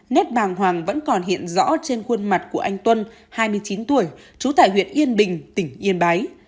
nét bàng hoàng vẫn còn hiện rõ trên khuôn mặt của anh tuân hai mươi chín tuổi trú tại huyện yên bình tỉnh yên bái